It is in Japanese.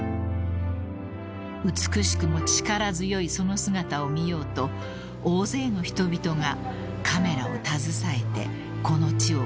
［美しくも力強いその姿を見ようと大勢の人々がカメラを携えてこの地を訪れます］